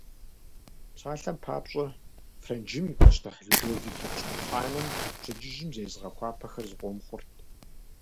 Псалъэм папщӏэ, Франджым и пащтыхь Людовик Епщыкӏуплӏанэм пщэдджыжьым зезыгъэхуапэхэр зыкъом хъурт.